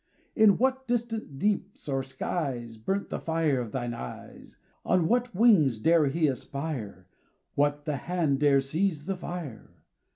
In what distant deeps or skies Burnt the fire of thine eyes? On what wings dare he aspire? What the hand dare seize the fire?